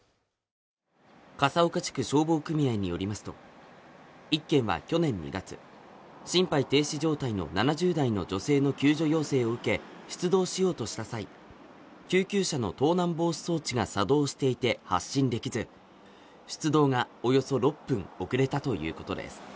笠岡地区消防組合によりますと、１件は去年２月心肺停止状態の７０代の女性の救助要請を受け出動しようとした際、救急車の盗難防止装置が作動していて、発進できず出動がおよそ６分遅れたということです。